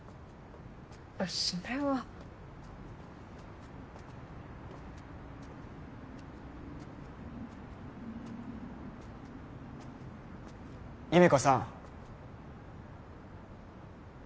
それは優芽子さん